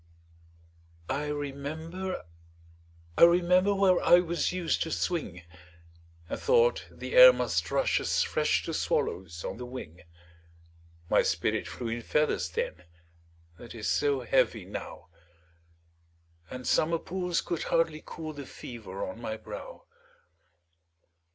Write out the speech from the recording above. I remember, I remember, Where I was used to swing, And thought the air must rush as fresh To swallows on the wing; My spirit flew in feathers then, That is so heavy now, And summer pools could hardly cool The fever on my brow!